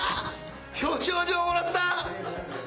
表彰状もらった！